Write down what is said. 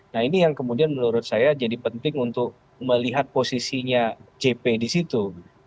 nah ini yang kemudian menurut saya jadi penting untuk melihat posisinya jp di situ